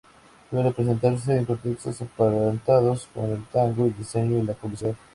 Suele presentarse en contextos emparentados con el tango, el diseño y la publicidad.